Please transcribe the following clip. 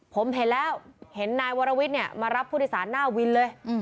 ผมเห็นแล้วนายวาระวิทย์เนี่ยมารับผู้ธิษฐานหน้าวินเลย